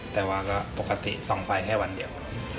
๒๘๐๐แต่ว่าก็ปกติ๒ฟัยแค่วันเดียว